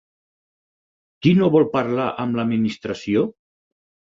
Qui no vol parlar amb l'administració?